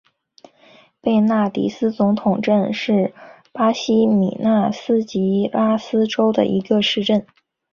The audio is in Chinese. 贝纳迪斯总统镇是巴西米纳斯吉拉斯州的一个市镇。